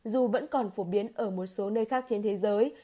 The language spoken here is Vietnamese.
dù vẫn còn phổ biến ở một số nơi khác trên thế giới